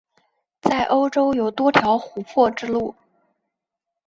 在欧洲有多条琥珀之路。